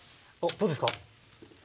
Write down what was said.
どうですか？